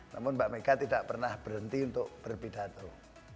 namun mbak mega tidak pernah berhenti untuk berpidato